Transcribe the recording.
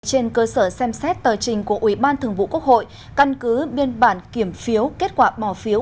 trên cơ sở xem xét tờ trình của ủy ban thường vụ quốc hội căn cứ biên bản kiểm phiếu kết quả bỏ phiếu